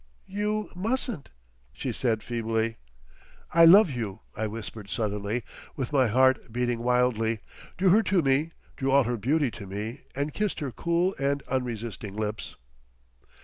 "You mustn't," she said feebly. "I love you," I whispered suddenly with my heart beating wildly, drew her to me, drew all her beauty to me and kissed her cool and unresisting lips.